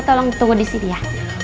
tolong tunggu disini ya